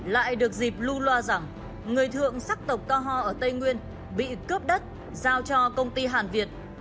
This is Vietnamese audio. lại được dịp lưu loa rằng người thượng sắc tộc ca ho ở tây nguyên bị cướp đất giao cho công ty hàn việt